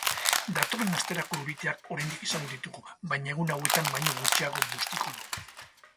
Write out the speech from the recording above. Datorren asterako euriteak oraindik izango ditugu baina egun hauetan baino gutxiago bustiko du.